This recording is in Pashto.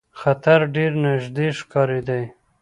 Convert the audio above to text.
خطر ډېر نیژدې ښکارېدی.